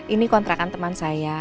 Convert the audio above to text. ini kontrakan teman saya